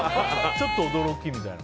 ちょっと驚きみたいな。